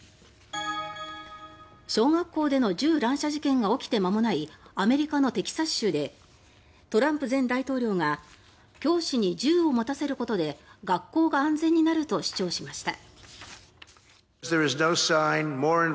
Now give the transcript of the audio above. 小学校での銃乱射事件が起きて間もないアメリカのテキサス州でトランプ前大統領が教師に銃を持たせることで学校が安全になると主張しました。